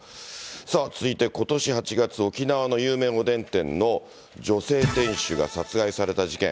さあ、続いてことし８月、沖縄の有名おでん店の女性店主が殺害された事件。